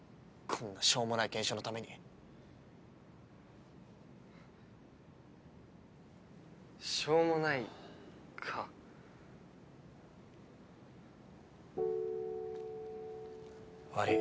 こんなしょうもない検証のためにしょうもないか悪い